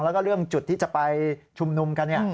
แล้วก็เรื่องจุดที่จะไปชุมนุมกันเนี่ย